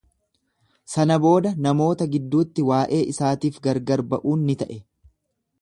Sana booda namoota gidduutti waa’ee isaatiif gargar ba’uun ni ta’e.